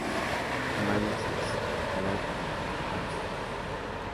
Magik Six: Live in Amsterdam